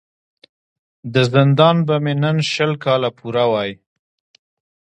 د زندان به مي نن شل کاله پوره وای